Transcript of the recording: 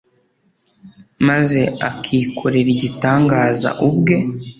maze akikorera igitangaza ubwe.